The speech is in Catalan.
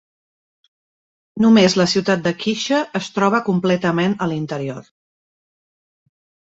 Només la ciutat de Qixia es troba completament a l'interior.